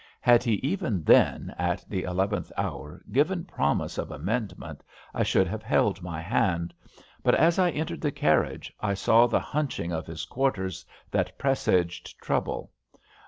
Had he even then, at the eleventh hour, given promise of amendment, I should have held my hand. But as I entered the carriage I saw the hunching of his quarters that presaged trouble.